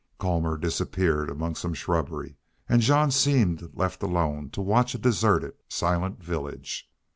Colmor disappeared among some shrubbery, and Jean seemed left alone to watch a deserted, silent village.